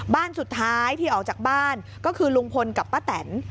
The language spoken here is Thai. บ้านสุดท้ายที่ออกจากบ้านก็คือลุงพลกับป้าแตน